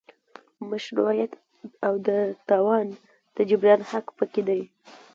مشروعیت او د تاوان د جبران حق پکې دی.